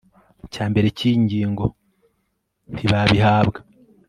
cya mbere cy iyi ngingo ntibabihabwa